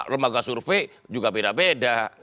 lembaga survei juga beda beda